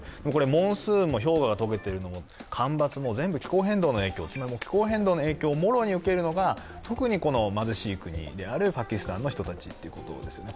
モンスーンも氷河がとけているのも全部気候変動の影響で、気候変動の影響をもろに受けるのが特に貧しい国であるパキスタンの人たちということですよね。